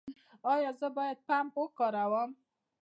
ایا زه باید پمپ وکاروم؟